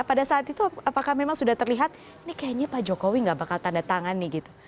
pada saat itu apakah memang sudah terlihat ini kayaknya pak jokowi nggak bakal tanda tangan nih gitu